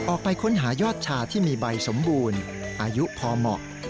ออกไปค้นหายอดชาที่มีใบสมบูรณ์อายุพอเหมาะ